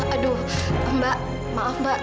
aduh mbak maaf mbak